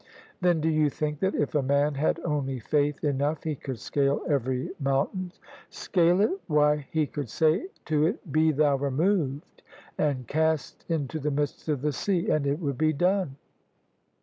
" Then do you think that if a man had only faith enough he could scale every mountain? "" Scale it? Why he could say to it. Be thou removed and cast into the midst of the sea: and it would be done.